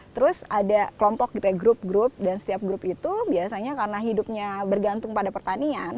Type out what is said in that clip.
terus ada kelompok gitu ya grup grup dan setiap grup itu biasanya karena hidupnya bergantung pada pertanian